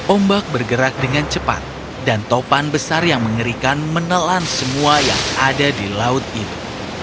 ombak bergerak dengan cepat dan topan besar yang mengerikan menelan semua yang ada di laut itu